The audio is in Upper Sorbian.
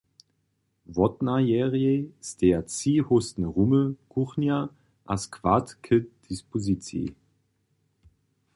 Wotnajerjej steja tři hóstne rumy, kuchnja a składaj k dispoziciji.